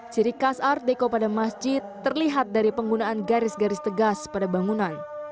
ciri khas art deko pada masjid terlihat dari penggunaan garis garis tegas pada bangunan